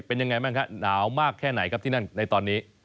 เป็นยังไงบ้างคะหนาวมากแค่ไหนครับที่นั่นในตอนนี้